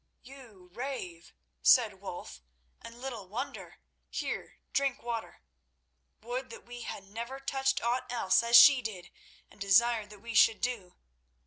"You rave," said Wulf; "and little wonder. Here, drink water. Would that we had never touched aught else, as she did, and desired that we should do.